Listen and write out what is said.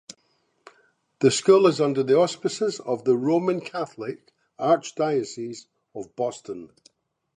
The school is under the auspices of the Roman Catholic Archdiocese of Boston.